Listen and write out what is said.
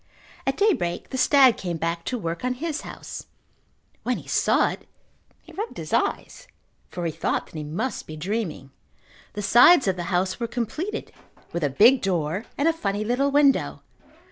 At daybreak the stag came back to work on his house. When he saw it he rubbed his eyes for he thought that he must be dreaming. The sides of the house were completed with a big door and a funny little window.